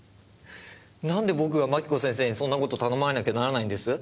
何で僕が槙子先生にそんなことを頼まれなきゃならないんです？